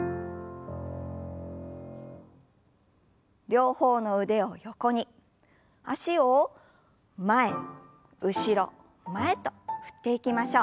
両方の腕を横に脚を前後ろ前と振っていきましょう。